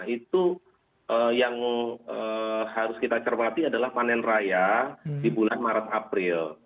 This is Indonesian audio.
itu yang harus kita cermati adalah panen raya di bulan maret april